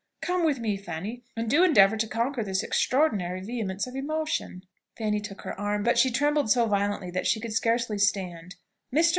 Come with me, Fanny, and do endeavour to conquer this extraordinary vehemence of emotion." Fanny took her arm; but she trembled so violently that she could scarcely stand. "Mr.